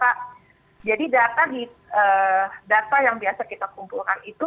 kita tahu data yang biasa kita kumpulkan itu